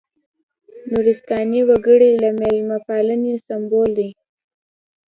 نورستاني وګړي د مېلمه پالنې سمبول دي.